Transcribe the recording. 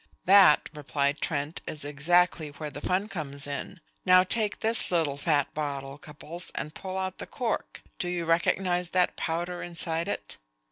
"That," replied Trent, "is exactly where the fun comes in. Now take this little fat bottle, Cupples, and pull out the cork. Do you recognize that powder inside it?